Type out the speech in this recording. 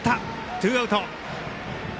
ツーアウト。